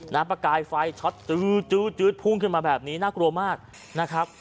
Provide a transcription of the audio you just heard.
ประกายไฟช็อตจื้อดพุ่งขึ้นมาแบบนี้น่ากลัวมากนะครับ